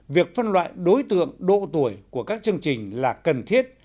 việc phân loại đối tượng độ tuổi của các chương trình là cần thiết